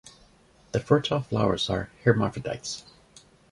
The fertile flowers are hermaphrodite.